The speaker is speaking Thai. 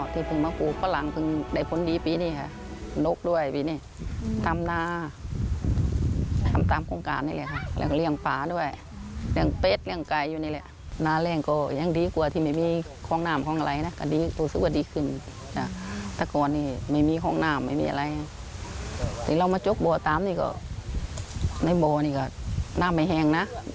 ถึงเรามาจบบัวตามนี่ก็น้ำบัวนี่ก็น้ำไม่แหงนะ